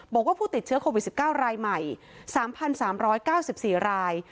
บอกว่าผู้ติดเชื้อโควิด๑๙รายใหม่๓๓๙๔ราย